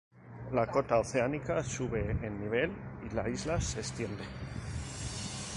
La cota oceánica sube en nivel y la isla se extiende.